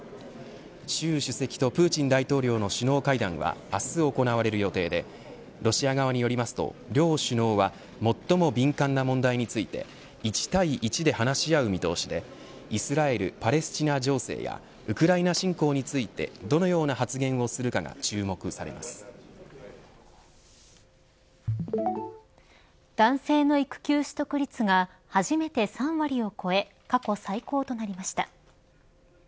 習主席とプーチン大統領の首脳会談は明日行われる予定でロシア側によりますと両首脳は最も敏感な問題について１対１で話し合う見通しでイスラエル・パレスチナ情勢やウクライナ侵攻についてどのような発言をするかが男性の育休取得率が初めて３割を超え過去最高となりました。